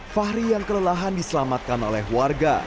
fahri yang kelelahan diselamatkan oleh warga